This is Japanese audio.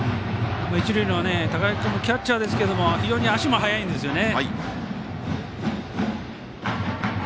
一塁の高木君はキャッチャーですけど非常に足も速いんですよね。